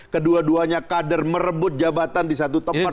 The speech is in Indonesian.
kedua duanya kader merebut jabatan di satu tempat